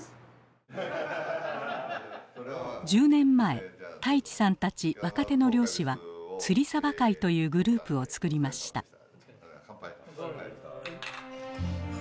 １０年前太一さんたち若手の漁師はつり会というグループを作りました。